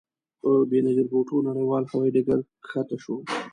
په بې نظیر بوټو نړیوال هوايي ډګر کښته شوو.